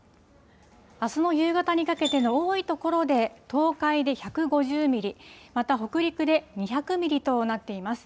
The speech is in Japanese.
あすの夕方にかけての多い所で東海で１５０ミリ、また北陸で２００ミリとなっています。